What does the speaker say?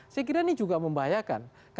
saya kira ini juga membahayakan